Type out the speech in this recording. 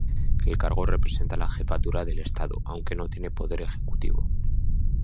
El cargo representa la jefatura del Estado, aunque no tiene poder ejecutivo.